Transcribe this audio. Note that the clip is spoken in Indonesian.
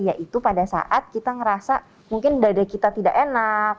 yaitu pada saat kita ngerasa mungkin dada kita tidak enak